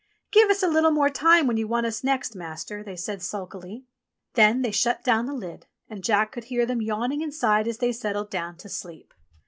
| "Give us a little more time when you want us next, i Master," they said sulkily. Then they shut down the lid, and Jack could hear them yawning inside as they settled down to sleep.